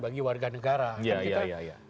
bagi warga negara ya ya ya